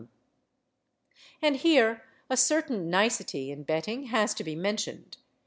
And here a certain nicety in betting has to be mentioned.